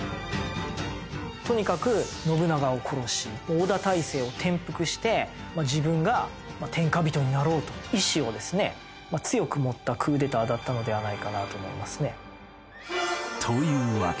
とにかく信長を殺し織田体制を転覆して自分が天下人になろうという意思をですね強く持ったクーデターだったのではないかなと思いますね。